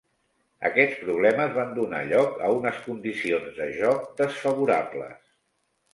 Aquests problemes van donar lloc a unes condicions de joc desfavorables.